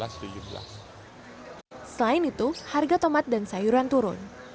selain itu harga tomat dan sayuran turun